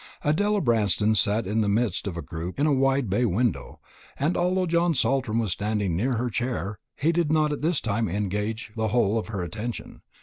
Adela Branston sat in the midst of a group in a wide bay window, and although John Saltram was standing near her chair, he did not this time engage the whole of her attention.